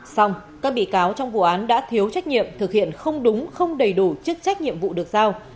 xong các bị cáo trong vụ án đã thiếu trách nhiệm thực hiện không đúng không đầy đủ chức trách nhiệm vụ được giao